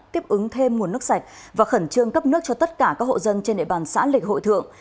tiếp ứng thêm nguồn nước sạch và khẩn trương cấp nước cho tất cả các hộ dân trên địa bàn xã lịch hội thượng